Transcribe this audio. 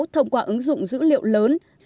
thông qua ứng dụng dữ liệu lớn